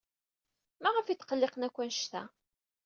Maɣef ay tqelliqen akk anect-a?